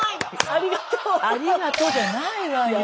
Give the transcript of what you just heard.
ありがとうじゃないわよ。